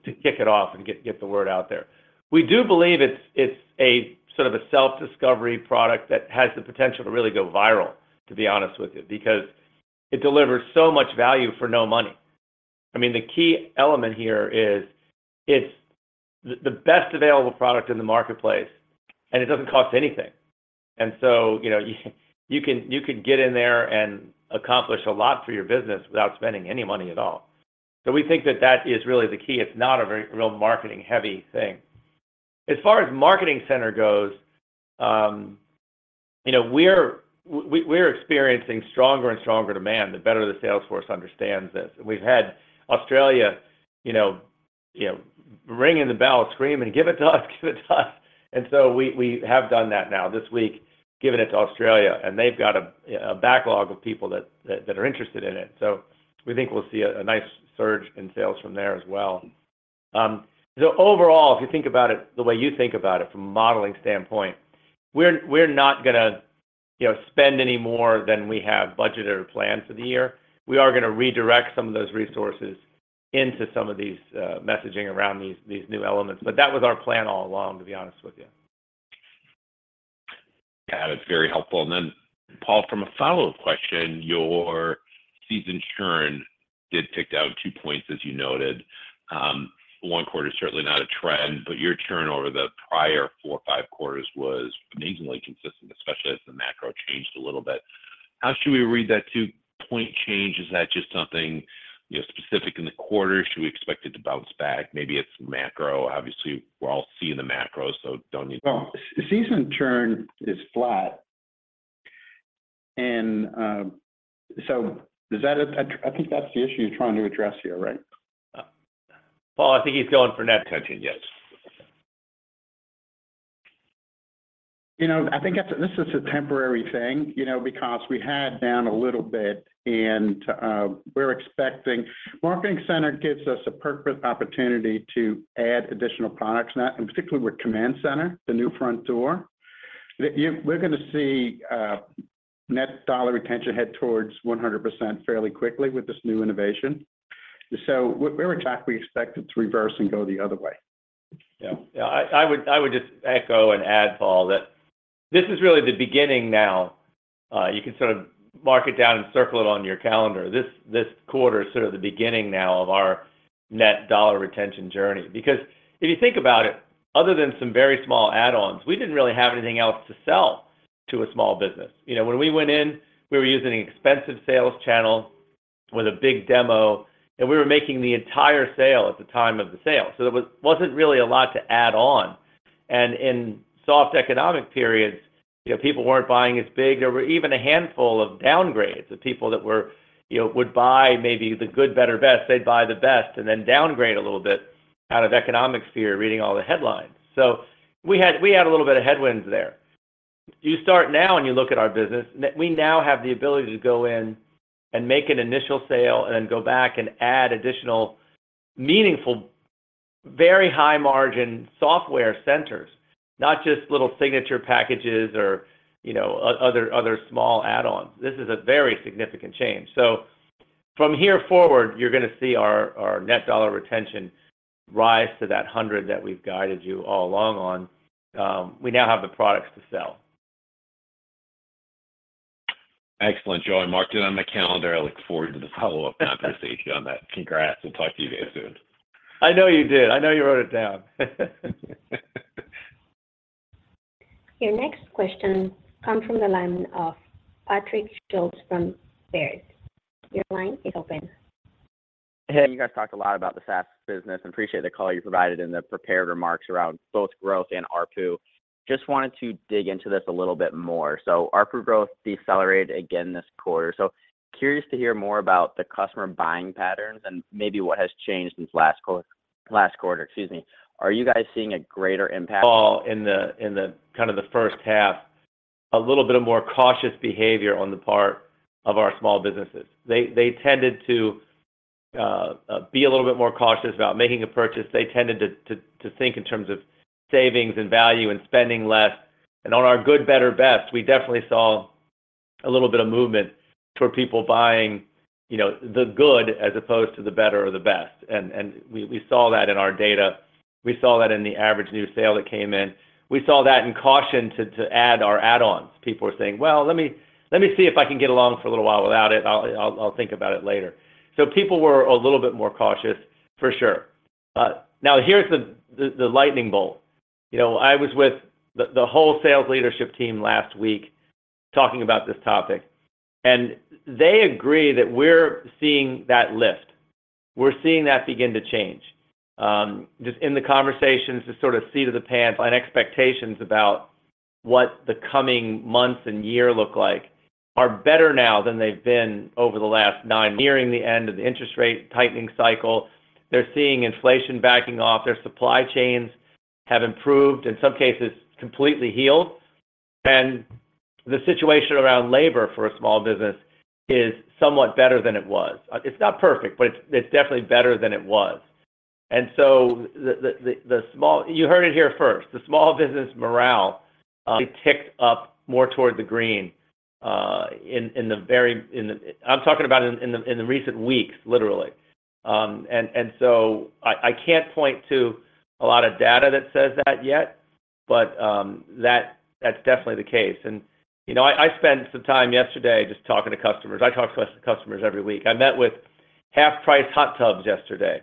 kick it off and get, get the word out there. We do believe it's, it's a sort of a self-discovery product that has the potential to really go viral, to be honest with you, because it delivers so much value for no money. I mean, the key element here is it's the best available product in the marketplace, and it doesn't cost anything. You know, you can, you can get in there and accomplish a lot for your business without spending any money at all. We think that that is really the key. It's not a very real marketing-heavy thing. As far as Marketing Center goes, you know, we're experiencing stronger and stronger demand, the better the sales force understands this. We've had Australia, you know, you know, ringing the bell, screaming, "Give it to us, give it to us!" So we, we have done that now, this week, given it to Australia, and they've got a, a backlog of people that, that are interested in it. We think we'll see a, a nice surge in sales from there as well. Overall, if you think about it the way you think about it from a modeling standpoint, we're, we're not gonna, you know, spend any more than we have budgeted or planned for the year. We are gonna redirect some of those resources into some of these messaging around these, these new elements, but that was our plan all along, to be honest with you.
Yeah, that's very helpful. Then, Paul, from a follow-up question, your seasoned churn did tick down two points, as you noted. One quarter is certainly not a trend, but your turnover the prior four or five quarters was amazingly consistent, especially as the macro changed a little bit. How should we read that two-point change? Is that just something, you know, specific in the quarter? Should we expect it to bounce back? Maybe it's macro. Obviously, we're all seeing the macro, so don't need-
The seasoned churn is flat, and, so does that... I, I think that's the issue you're trying to address here, right?
Paul, I think he's going for net retention, yes.
You know, I think that's this is a temporary thing, you know, because we had down a little bit, and we're expecting. Marketing Center gives us a perfect opportunity to add additional products, and that, and particularly with Command Center, the new front door. The, we're gonna see net dollar retention head towards 100% fairly quickly with this new innovation. We're exactly expected to reverse and go the other way.
Yeah. Yeah, I would just echo and add, Paul, that this is really the beginning now. You can sort of mark it down and circle it on your calendar. This, this quarter is sort of the beginning now of our net dollar retention journey. If you think about it, other than some very small add-ons, we didn't really have anything else to sell to a small business. You know, when we went in, we were using an expensive sales channel with a big demo, and we were making the entire sale at the time of the sale. There wasn't really a lot to add on. In soft economic periods, you know, people weren't buying as big. There were even a handful of downgrades of people that were, you know, would buy maybe the good, better, best. They'd buy the best and then downgrade a little bit out of economic fear, reading all the headlines. We had a little bit of headwinds there. You start now, and you look at our business, that we now have the ability to go in and make an initial sale and then go back and add additional meaningful, very high-margin software centers, not just little signature packages or, you know, other small add-ons. This is a very significant change. From here forward, you're gonna see our, our net dollar retention rise to that 100 that we've guided you all along on. We now have the products to sell.
Excellent, Joe. I marked it on my calendar. I look forward to the follow-up conversation on that. Congrats, and talk to you guys soon.
I know you did. I know you wrote it down.
Your next question comes from the line of Patrick Schulz from Baird. Your line is open.
Hey, you guys talked a lot about the SaaS business. Appreciate the call you provided in the prepared remarks around both growth and ARPU. Just wanted to dig into this a little bit more. ARPU growth decelerated again this quarter. Curious to hear more about the customer buying patterns and maybe what has changed since last quarter, excuse me. Are you guys seeing a greater impact?
Well, in the, in the kind of the first half, a little bit of more cautious behavior on the part of our small businesses. They, they tended to be a little bit more cautious about making a purchase. They tended to think in terms of savings and value and spending less. On our good, better, best, we definitely saw a little bit of movement toward people buying, you know, the good as opposed to the better or the best. We, we saw that in our data, we saw that in the average new sale that came in. We saw that in caution to add our add-ons. People are saying, "Well, let me, let me see if I can get along for a little while without it. I'll think about it later." People were a little bit more cautious, for sure. Now, here's the lightning bolt. You know, I was with the whole sales leadership team last week talking about this topic, they agree that we're seeing that lift. We're seeing that begin to change. Just in the conversations, the sort of seat of the pants and expectations about what the coming months and year look like are better now than they've been over the last nine. Nearing the end of the interest rate tightening cycle, they're seeing inflation backing off. Their supply chains have improved, in some cases, completely healed. The situation around labor for a small business is somewhat better than it was. It's not perfect, but it's definitely better than it was. The small business morale ticked up more toward the green, in recent weeks, literally. I can't point to a lot of data that says that yet, but that's definitely the case. You know, I spent some time yesterday just talking to customers. I talk to customers every week. I met with Half Price Hot Tubs yesterday,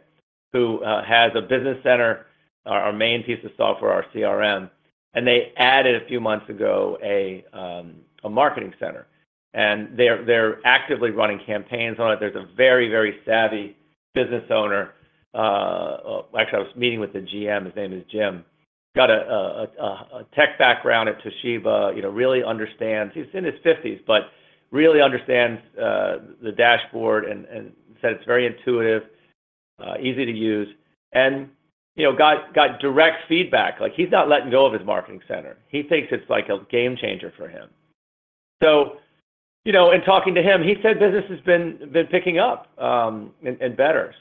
who has a Business Center, our main piece of software, our CRM, and they added a few months ago a Marketing Center, and they're actively running campaigns on it. There's a very, very savvy business owner. Actually, I was meeting with the GM, his name is Jim, got a tech background at Toshiba, you know, really understands. He's in his 50s, but really understands the dashboard and said it's very intuitive, easy to use, and, you know, got direct feedback. Like, he's not letting go of his Marketing Center. He thinks it's like a game changer for him. You know, in talking to him, he said business has been picking up and better.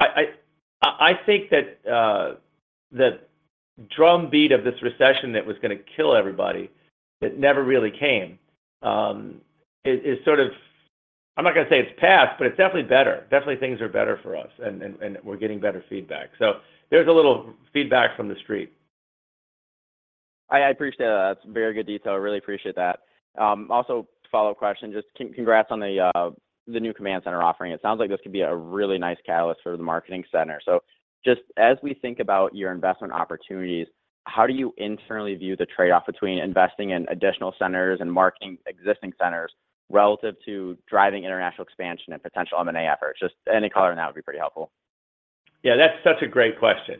I think that the drumbeat of this recession that was gonna kill everybody, it never really came. It sort of, I'm not gonna say it's past, but it's definitely better. Definitely things are better for us, and we're getting better feedback. There's a little feedback from the street.
I appreciate that. That's very good detail. I really appreciate that. Also, follow-up question, just congrats on the new Command Center offering. It sounds like this could be a really nice catalyst for the Marketing Center. Just as we think about your investment opportunities, how do you internally view the trade-off between investing in additional centers and marketing existing centers relative to driving international expansion and potential M&A efforts? Just any color on that would be pretty helpful.
Yeah, that's such a great question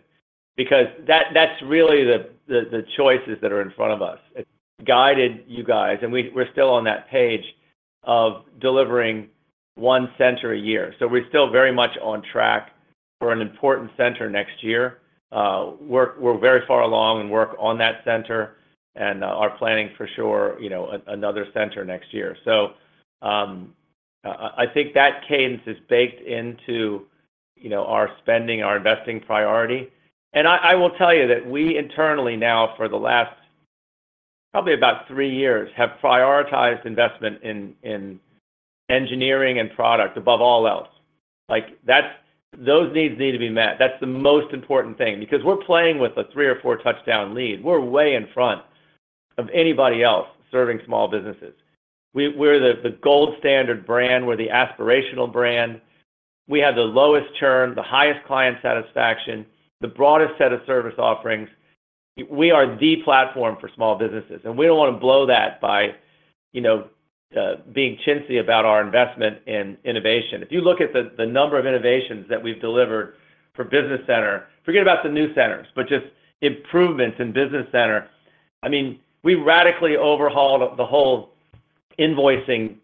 because that's really the, the, the choices that are in front of us. It guided you guys, and we're still on that page of delivering one center a year. We're still very much on track for an important center next year. We're, we're very far along in work on that center and are planning for sure, you know, another center next year. I, I think that cadence is baked into, you know, our spending, our investing priority. I, I will tell you that we internally now, for the last probably about three years, have prioritized investment in, in engineering and product above all else. Like, that's those needs need to be met. That's the most important thing, because we're playing with a three or four touchdown lead. We're way in front of anybody else serving small businesses. We're the, the gold standard brand, we're the aspirational brand. We have the lowest churn, the highest client satisfaction, the broadest set of service offerings. We are the platform for small businesses, and we don't want to blow that by, you know, being chintzy about our investment in innovation. If you look at the, the number of innovations that we've delivered for Business Center, forget about the new centers, but just improvements in Business Center, I mean, we radically overhauled the whole invoicing,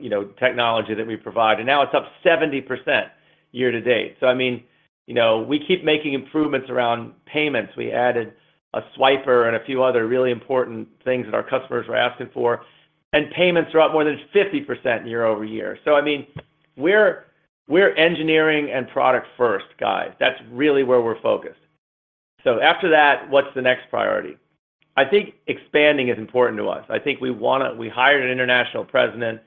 you know, technology that we provide, and now it's up 70% year-to-date. I mean, you know, we keep making improvements around payments. We added a swiper and a few other really important things that our customers were asking for, and payments are up more than 50% year-over-year. I mean, we're, we're engineering and product first, guys. That's really where we're focused. After that, what's the next priority? I think expanding is important to us. I think we want, we hired an International President,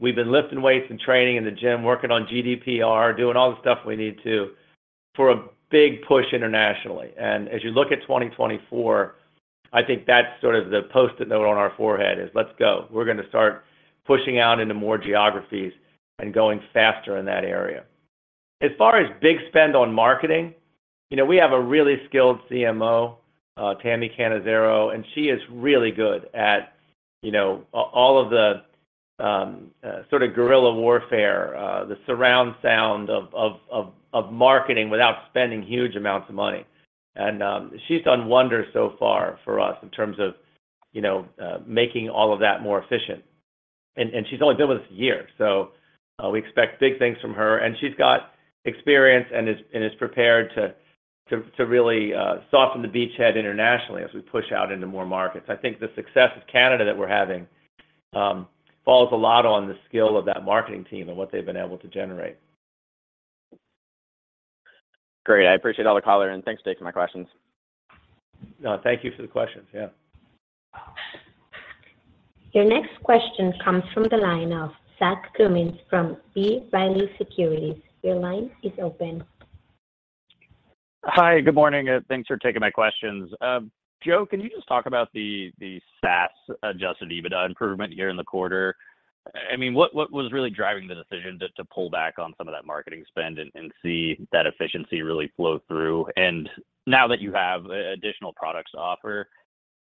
we've been lifting weights and training in the gym, working on GDPR, doing all the stuff we need to for a big push internationally. As you look at 2024, I think that's sort of the Post-It note on our forehead, is let's go. We're gonna start pushing out into more geographies and going faster in that area. As far as big spend on marketing, you know, we have a really skilled CMO, Tammy Cannizzaro, and she is really good at, you know, all of the sort of guerrilla warfare, the surround sound of marketing without spending huge amounts of money. She's done wonders so far for us in terms of, you know, making all of that more efficient. She's only been with us a year, so we expect big things from her, and she's got experience and is prepared to really soften the beachhead internationally as we push out into more markets. I think the success of Canada that we're having, falls a lot on the skill of that marketing team and what they've been able to generate.
Great, I appreciate all the color, and thanks for taking my questions.
No, thank you for the questions. Yeah.
Your next question comes from the line of Zach Cummings from B. Riley Securities. Your line is open.
Hi, good morning, and thanks for taking my questions. Joe, can you just talk about the, the SaaS-adjusted EBITDA improvement here in the quarter? I mean, what, what was really driving the decision to, to pull back on some of that marketing spend and, and see that efficiency really flow through? Now that you have additional products to offer,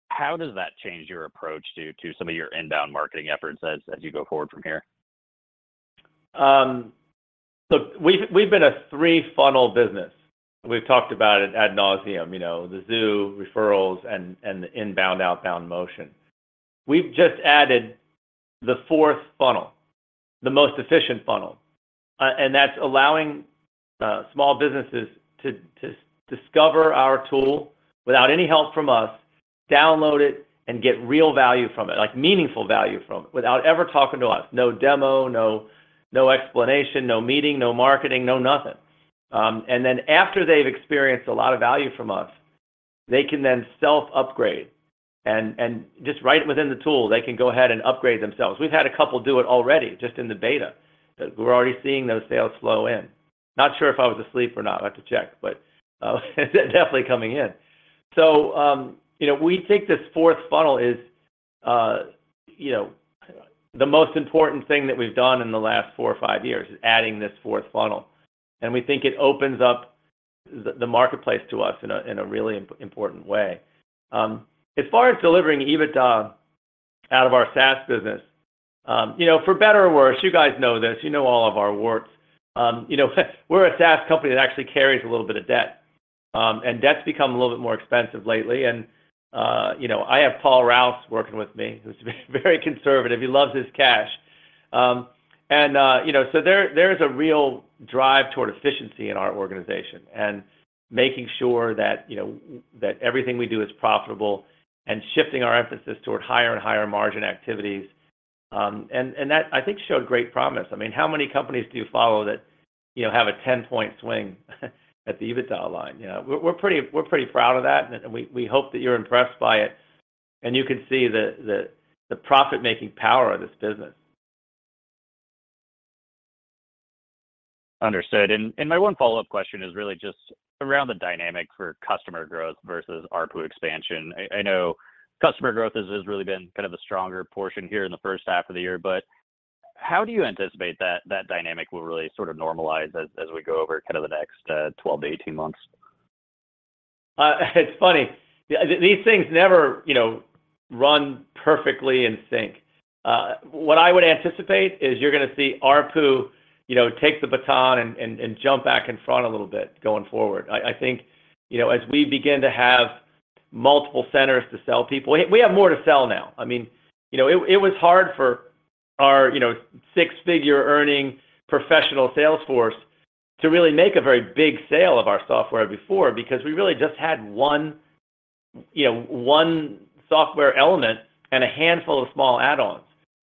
how does that change your approach to, to some of your inbound marketing efforts as, as you go forward from here?
Look, we've, we've been a three-funnel business. We've talked about it ad nauseam, you know, the zoo, referrals, and, and the inbound, outbound motion. We've just added the fourth funnel, the most efficient funnel, and that's allowing small businesses to, to discover our tool without any help from us, download it, and get real value from it, like, meaningful value from it, without ever talking to us. No demo, no, no explanation, no meeting, no marketing, no nothing. And then after they've experienced a lot of value from us, they can then self-upgrade, and, and just right within the tool, they can go ahead and upgrade themselves. We've had a couple do it already, just in the beta. We're already seeing those sales flow in. Not sure if I was asleep or not, I'll have to check, but, definitely coming in. You know, we think this fourth funnel is, you know, the most important thing that we've done in the last four or five years, is adding this fourth funnel. We think it opens up the marketplace to us in a, in a really important way. As far as delivering EBITDA out of our SaaS business, you know, for better or worse, you guys know this, you know all of our works, you know, we're a SaaS company that actually carries a little bit of debt. And debt's become a little bit more expensive lately, and, you know, I have Paul Rouse working with me, who's very, very conservative. He loves his cash. You know, there, there's a real drive toward efficiency in our organization, and making sure that, you know, that everything we do is profitable, and shifting our emphasis toward higher and higher margin activities. That, I think, showed great promise. I mean, how many companies do you follow that, you know, have a 10-point swing at the EBITDA line, you know? We're, we're pretty proud of that, and we, we hope that you're impressed by it, and you can see the, the, the profit-making power of this business.
Understood. And my one follow-up question is really just around the dynamic for customer growth versus ARPU expansion. I know customer growth has, has really been kind of the stronger portion here in the first half of the year, but how do you anticipate that that dynamic will really sort of normalize as, as we go over kind of the next 12 to 18 months?
It's funny, these things never, you know, run perfectly in sync. What I would anticipate is you're gonna see ARPU, you know, take the baton and, and, and jump back in front a little bit going forward. I, I think, you know, as we begin to have multiple centers to sell people. We, we have more to sell now. I mean, you know, it, it was hard for our, you know, six-figure earning professional sales force to really make a very big sale of our software before, because we really just had one, you know, one software element and a handful of small add-ons.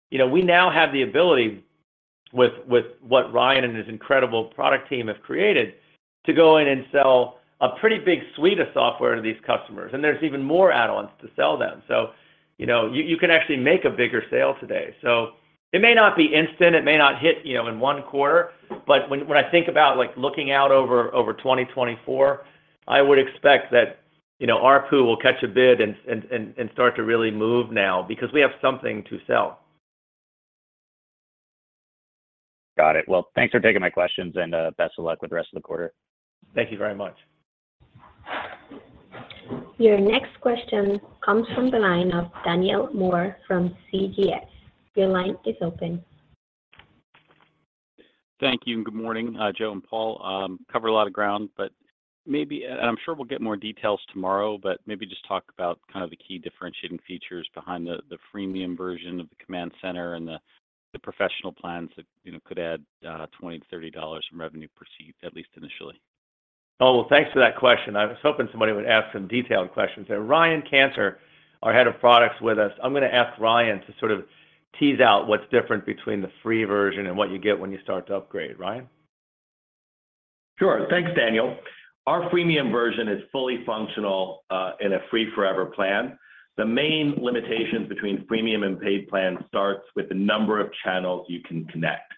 You know, we now have the ability with, with what Ryan and his incredible product team have created, to go in and sell a pretty big suite of software to these customers, and there's even more add-ons to sell them. you know, you, you can actually make a bigger sale today. It may not be instant, it may not hit, you know, in one quarter, but when, when I think about, like, looking out over, over 2024, I would expect that, you know, ARPU will catch a bid and, and, and start to really move now, because we have something to sell.
Got it. Well, thanks for taking my questions, best of luck with the rest of the quarter.
Thank you very much.
Your next question comes from the line of Daniel Moore from CJS Securities. Your line is open.
Thank you, and good morning, Joe and Paul. covered a lot of ground, but maybe, and I'm sure we'll get more details tomorrow, but maybe just talk about kind of the key differentiating features behind the, the freemium version of the Command Center and the Professional plans that, you know, could add $20-$30 in revenue per seat, at least initially.
Oh, well, thanks for that question. I was hoping somebody would ask some detailed questions. Ryan Cantor, our head of product's with us. I'm gonna ask Ryan to sort of tease out what's different between the free version and what you get when you start to upgrade. Ryan?
Sure. Thanks, Daniel. Our freemium version is fully functional in a free forever plan. The main limitations between freemium and paid plan starts with the number of channels you can connect.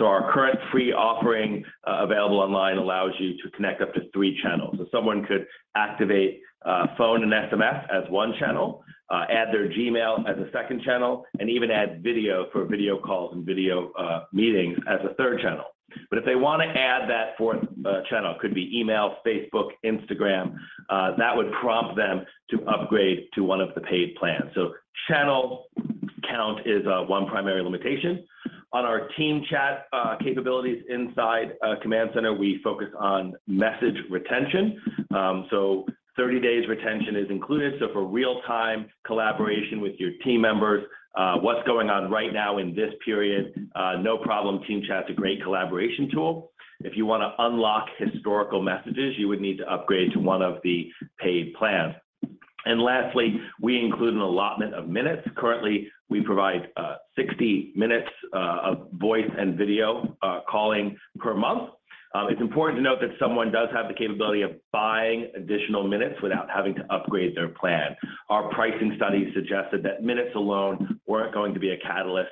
Our current free offering available online allows you to connect up to 3 channels. Someone could activate phone and SMS as 1 channel, add their Gmail as a second channel, and even add video for video calls and video meetings as a third channel. If they wanna add that fourth channel, could be email, Facebook, Instagram, that would prompt them to upgrade to 1 of the paid plans. Channel count is 1 primary limitation. On our team chat capabilities inside Command Center, we focus on message retention. So 30 days retention is included, so for real-time collaboration with your team members, what's going on right now in this period, no problem, team chat's a great collaboration tool. If you wanna unlock historical messages, you would need to upgrade to 1 of the paid plans. Lastly, we include an allotment of minutes. Currently, we provide 60 minutes of voice and video calling per month. It's important to note that someone does have the capability of buying additional minutes without having to upgrade their plan. Our pricing study suggested that minutes alone weren't going to be a catalyst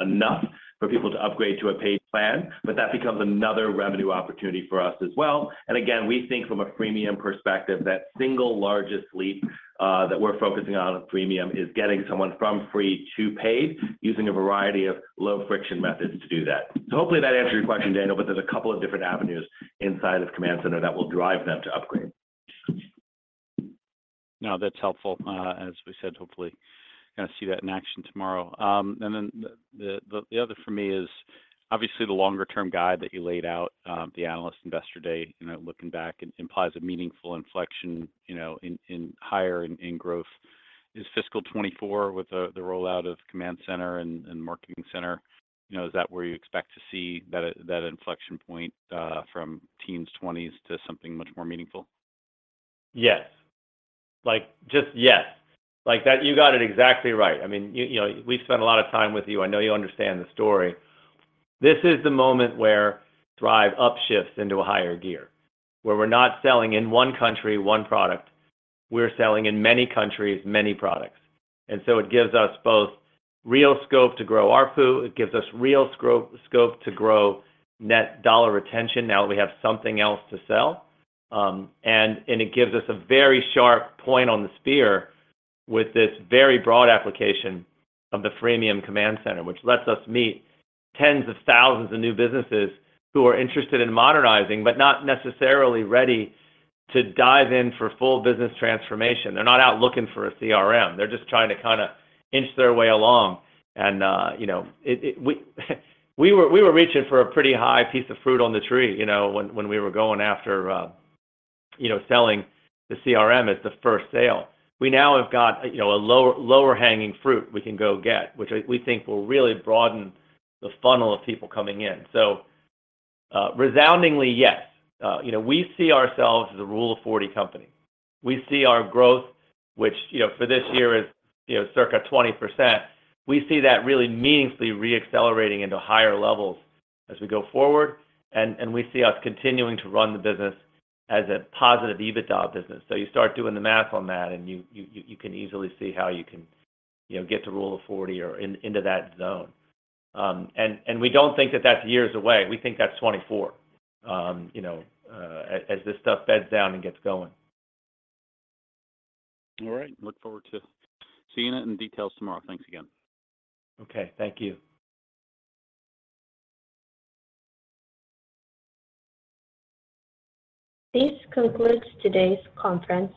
enough for people to upgrade to a paid plan, but that becomes another revenue opportunity for us as well. Again, we think from a freemium perspective, that single largest leap that we're focusing on with freemium is getting someone from free to paid, using a variety of low-friction methods to do that. Hopefully that answers your question, Daniel, but there's a couple of different avenues inside of Command Center that will drive them to upgrade.
No, that's helpful. As we said, hopefully, gonna see that in action tomorrow. And then the, the, the other for me, obviously, the longer-term guide that you laid out, the analyst investor day, you know, looking back, implies a meaningful inflection, you know, in, in higher and in growth. Is fiscal 2024 with the, the rollout of Command Center and Marketing Center, you know, is that where you expect to see that, that inflection point, from teens, twenties, to something much more meaningful?
Yes. Like, just yes. Like, you got it exactly right. I mean, you know, we've spent a lot of time with you. I know you understand the story. This is the moment where Thryv upshifts into a higher gear, where we're not selling in 1 country, 1 product. We're selling in many countries, many products. It gives us both real scope to grow ARPU, it gives us real scope to grow net dollar retention now that we have something else to sell. And it gives us a very sharp point on the spear with this very broad application of the freemium Command Center, which lets us meet tens of thousands of new businesses who are interested in modernizing, but not necessarily ready to dive in for full business transformation. They're not out looking for a CRM. They're just trying to kind of inch their way along. you know, it, it, we, we were, we were reaching for a pretty high piece of fruit on the tree, you know, when, when we were going after, you know, selling the CRM as the first sale. We now have got, you know, a lower, lower hanging fruit we can go get, which I- we think will really broaden the funnel of people coming in. resoundingly, yes. you know, we see ourselves as a Rule of Forty company. We see our growth, which, you know, for this year is, you know, circa 20%. We see that really meaningfully reaccelerating into higher levels as we go forward, and, and we see us continuing to run the business as a positive EBITDA business. You start doing the math on that, and you can easily see how you can, you know, get to Ruleof Forty or in, into that zone. We don't think that that's years away. We think that's 2024, you know, as, as this stuff beds down and gets going.
All right. Look forward to seeing it in details tomorrow. Thanks again.
Okay, thank you.
This concludes today's conference.